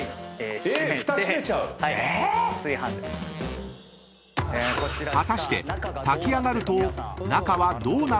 ふた閉めちゃう⁉［果たして炊き上がると中はどうなるのか？］